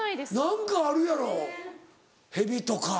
何かあるやろヘビとか。